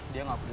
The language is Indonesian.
dia gak peduli